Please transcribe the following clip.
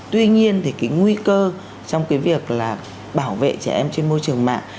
tuy nhiên thì cái nguy cơ trong cái việc là bảo vệ trẻ em trên môi trường mạng